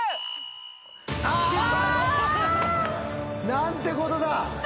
何てことだ。